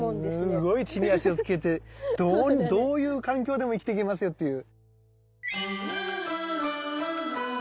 すごい地に足をつけてどういう環境でも生きていけますよっていう。